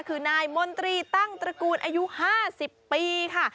คือนายมนตรีตั้งตระกูลอายุ๕๐ปีค่ะ